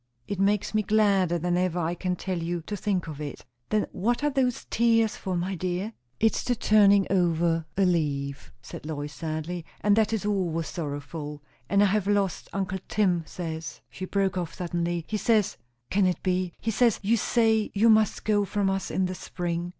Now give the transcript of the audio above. It makes me gladder than ever I can tell you, to think of it." "Then what are those tears for, my dear?" "It's the turning over a leaf," said Lois sadly, "and that is always sorrowful. And I have lost uncle Tim says," she broke off suddenly, "he says, can it be? he says you say you must go from us in the spring?"